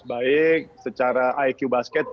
baik secara iq basket